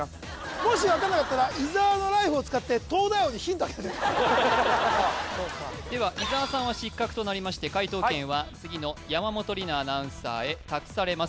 もし分かんなかったらでは伊沢さんは失格となりまして解答権は次の山本里菜アナウンサーへ託されます